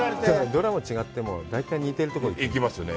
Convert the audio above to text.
ドラマが違っても大体似てるとこへ行くよね。